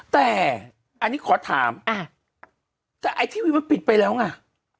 แต่อันนี้ขอถามแต่ไอ้ทีวีมันปิดไปแล้วไง